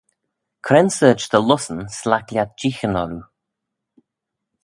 Cre'n sorçh dy lussyn s'laik lhiat jeeaghyn orroo?